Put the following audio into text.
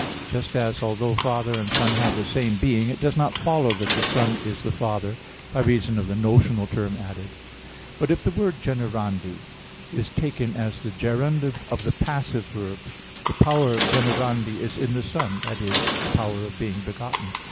Just as, although Father and Son have the same being, it does not follow that the Son is the Father, by reason of the notional term added. But if the word "generandi" [of being begotten] is taken as the gerundive of the passive verb, the power "generandi" is in the Son that is, the power of being begotten.